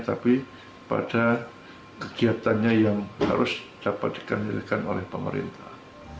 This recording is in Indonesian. tapi pada kegiatannya yang harus dapat dikendalikan oleh pemerintah